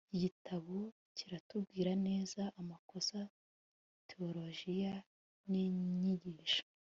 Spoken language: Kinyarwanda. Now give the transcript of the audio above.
Iki gitabo kiratubwira neza amakosa tewolojiya ninyigisho